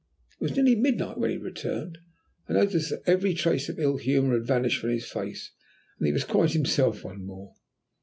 It was nearly midnight when he returned. I noticed that every trace of ill humour had vanished from his face, and that he was quite himself once more.